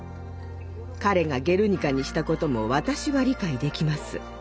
彼が「ゲルニカ」にしたことも私は理解できます。